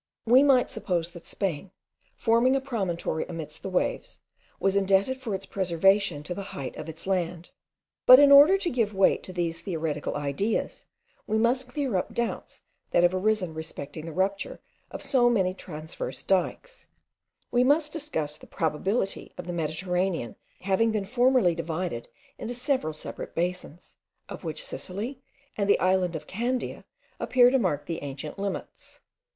We might suppose, that Spain, forming a promontory amidst the waves, was indebted for its preservation to the height of its land; but in order to give weight to these theoretic ideas, we must clear up the doubts that have arisen respecting the rupture of so many transverse dikes; we must discuss the probability of the Mediterranean having been formerly divided into several separate basins, of which Sicily and the island of Candia appear to mark the ancient limits.